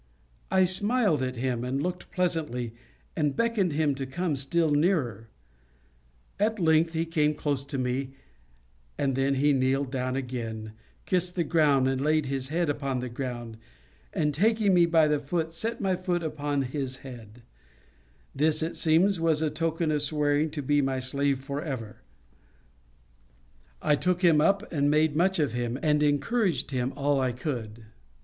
I smiled at him, and looked pleasantly, and beckoned to him to come still nearer; at length he came close to me, and then he kneeled down again, kissed the ground and laid his head upon the ground, and taking me by the foot set my foot upon his head; this, it seems, was in token of swearing to be my slave forever. I took him up and made much of him, and encouraged him all I could.